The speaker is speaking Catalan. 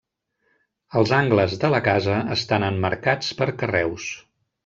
Els angles de la casa estan emmarcats per carreus.